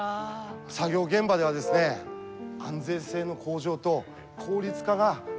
作業現場ではですね安全性の向上と効率化が問題なんです。